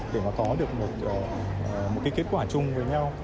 để mà có được một cái kết quả chung với nhau